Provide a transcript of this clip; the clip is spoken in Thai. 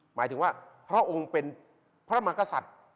หมายถึงว่าพระองค์เป็นพระมากษัตริย์